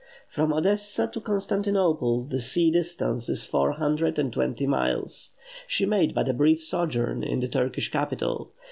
From Odessa to Constantinople the sea distance is four hundred and twenty miles. She made but a brief sojourn in the Turkish capital.